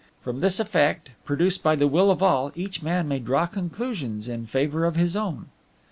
"From this effect, produced by the Will of all, each man may draw conclusions in favor of his own."